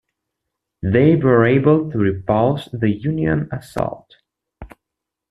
They were able to repulse the Union assault.